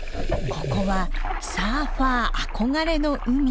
ここはサーファー憧れの海。